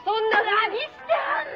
「何してはんの！」